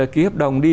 ký hợp đồng đi